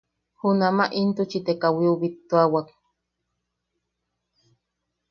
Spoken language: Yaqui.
Junamaʼa intuchi te kawiu bittuawak.